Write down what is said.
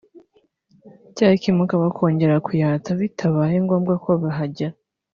cyakemuka bakongera kuyatsa bitabaye ngombwa ko bahagera